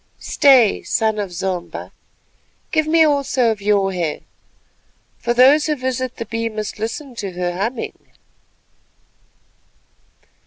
Stay—son of Zomba, give me also of your hair, for those who visit the Bee must listen to her humming."